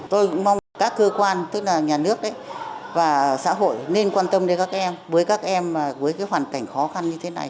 tôi cũng mong các cơ quan tức là nhà nước và xã hội nên quan tâm đến các em với các em với cái hoàn cảnh khó khăn như thế này